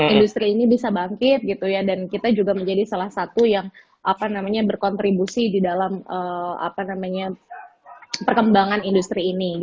industri ini bisa bangkit gitu ya dan kita juga menjadi salah satu yang apa namanya berkontribusi di dalam apa namanya perkembangan industri ini gitu ya